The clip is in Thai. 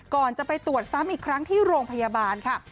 ก่อนจะไปตรวจซ้ำอีกครั้งที่โรงพยาบาลค่ะ